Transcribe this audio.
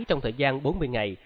trong thời gian bốn mươi ngày